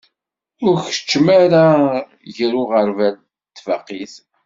Ur keččem ara gar uɣerbal d tbaqit.